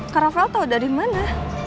kak ravel tahu dari mana